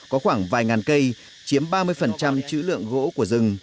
có khoảng vài ngàn cây chiếm ba mươi chữ lượng gỗ của rừng